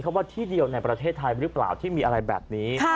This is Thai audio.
เพราะว่าที่เดียวในประเทศไทยหรือเปล่าที่มีอะไรแบบนี้